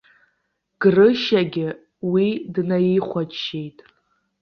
Грышьагьы уи днаихәаччеит.